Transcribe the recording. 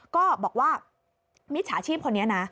ก็บอกว่ามิจฉาชีพคนนี้นะ